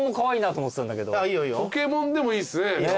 ポケモンでもいいですね。